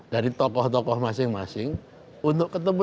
dari tokoh tokoh masing masing untuk ketemu